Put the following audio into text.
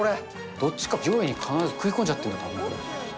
どっちかが上位に必ず食い込んじゃってると思うんだよ。